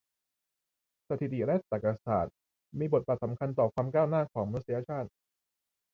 สถิติและตรรกะศาสตร์ มีบทบาทสำคัญต่อ ความก้าวหน้าของมนุษยชาติ